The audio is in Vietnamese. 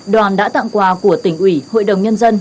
đoàn đã tặng quà của tỉnh ủy hội đồng nhân dân